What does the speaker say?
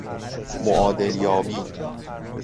معادل یابی